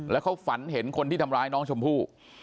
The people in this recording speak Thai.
แล้วเขาฝันเห็นคนที่ทำร้ายน้องชมพู่